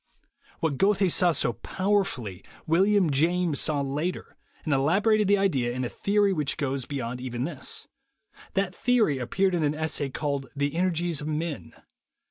What Goethe saw so powerfully, William James saw later, and elaborated the idea in a theory which goes beyond even this. That theory appeared in an essay called "The Energies of Men."